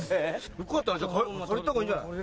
よかったな借りた方がいいんじゃない？